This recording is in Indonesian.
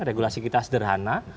regulasi kita sederhana